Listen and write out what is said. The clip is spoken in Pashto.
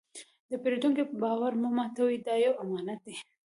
د پیرودونکي باور مه ماتوئ، دا یو امانت دی.